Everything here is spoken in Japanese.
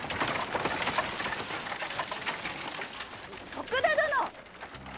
・徳田殿！